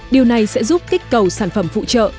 điều này sẽ giúp kích cầu sản phẩm phụ trợ